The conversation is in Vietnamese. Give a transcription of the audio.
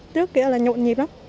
trước kia là nhộn nhịp lắm